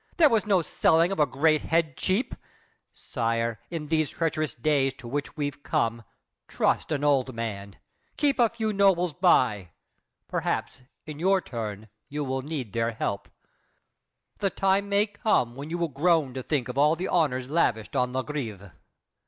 There was no selling of a great head cheap! Sire, in these treacherous days to which we've come, Trust an old man, keep a few nobles by. Perhaps, in your turn, you will need their help. The time may come when you will groan to think Of all the honors lavished on La Grève!